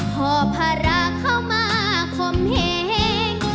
พอพระเข้ามาขอมแห่ง